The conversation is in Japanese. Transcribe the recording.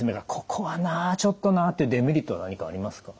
ここはなあちょっとなあっていうデメリット何かありますか？